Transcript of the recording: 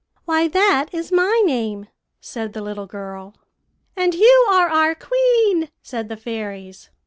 "'Why, that is my name,' said the little girl. "'And you are our queen,' said the fairies.